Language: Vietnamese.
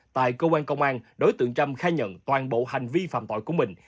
tại công an công an đối tượng trâm khai nhận toàn bộ hành vi phạm tội của mình